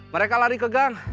mereka lari ke gang